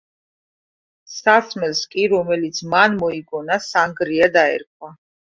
სასმელს კი, რომელიც მან მოიგონა „სანგრია“ დაერქვა.